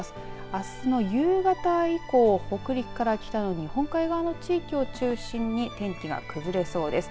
朝の夕方以降、北陸から北の日本海側の地域を中心に天気が崩れそうです。